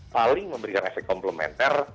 paling memberikan efek komplementer